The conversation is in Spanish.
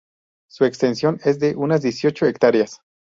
Su extensión es de unas dieciocho hectáreas.